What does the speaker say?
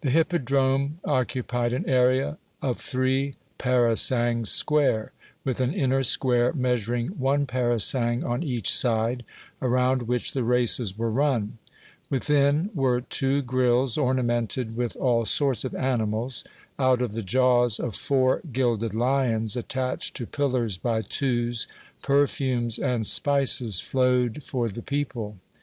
The hippodrome occupied an area of three parasangs square, with an inner square measuring one parasang on each side, around which the races were run. Within were two grilles ornamented with all sorts of animals. Out of the jaws of four gilded lions, attached to pillars by twos, perfumes and spices flowed for the people.